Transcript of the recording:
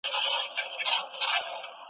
خوب ته دي راغلی یم شېبه یمه هېرېږمه .